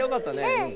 うん。